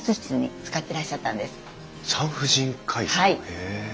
へえ。